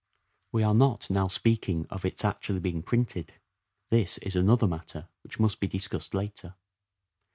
(We are not now speaking of its being actually printed : this is another matter which must be discussed later.)